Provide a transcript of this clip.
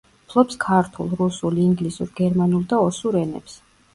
ფლობს ქართულ, რუსულ, ინგლისურ, გერმანულ და ოსურ ენებს.